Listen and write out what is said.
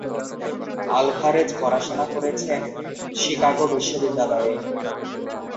Alvarez পড়াশোনা করেছেন Chicago বিশ্ববিদ্যালয়ে।